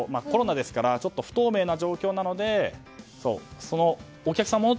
コロナですからちょっと不透明な状況なのでお客さん